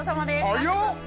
早っ！